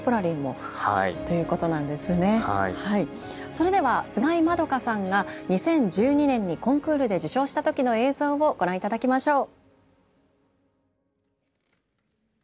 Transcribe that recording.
それでは菅井円加さんが２０１２年にコンクールで受賞した時の映像をご覧頂きましょう。